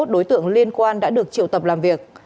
ba mươi một đối tượng liên quan đã được triệu tập làm việc